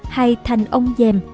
hay thành ông giềm